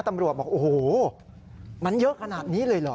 ตำรวจบอกโอ้โหมันเยอะขนาดนี้เลยเหรอ